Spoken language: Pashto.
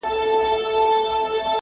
څه چي وایم دروغ نه دي حقیقت دی.